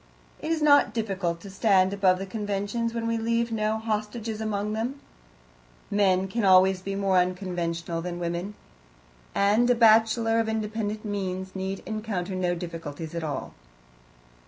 It is not difficult to stand above the conventions when we leave no hostages among them; men can always be more unconventional than women, and a bachelor of independent means need encounter no difficulties at all.